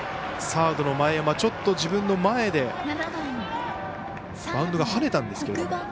サードの前山ちょっと自分の前でバウンドが跳ねたんですが。